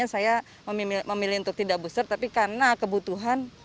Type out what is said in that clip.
cuman tetap ada kan